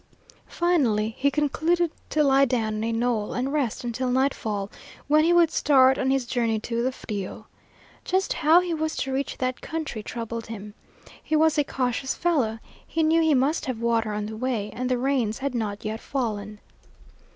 Finally he concluded to lie down on a knoll and rest until nightfall, when he would start on his journey to the Frio. Just how he was to reach that country troubled him. He was a cautious fellow; he knew he must have water on the way, and the rains had not yet fallen.